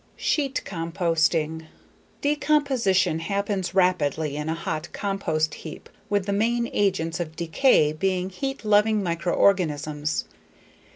Sheet Composting Decomposition happens rapidly in a hot compost heap with the main agents of decay being heat loving microorganisms.